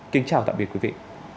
kính chào tạm biệt quý vị